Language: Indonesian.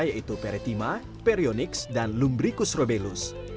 yaitu peretima perionix dan lumbricus robelus